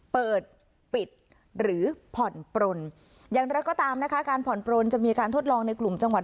เปิดปิดหรือผ่อนปลนอย่างไรก็ตามนะคะการผ่อนปลนจะมีการทดลองในกลุ่มจังหวัด